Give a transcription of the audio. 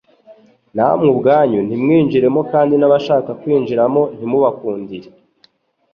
namwe ubwanyu ntimwinjiremo, kandi n'abashaka kwinjiramo ntimubakundire.»